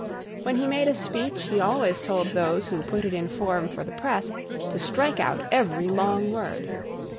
When he made a speech he always told those who put it in form for the press to strike out every long word.